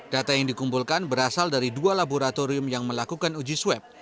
data yang dikumpulkan berasal dari dua laboratorium yang melakukan uji swab